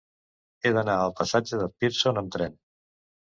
He d'anar al passatge de Pearson amb tren.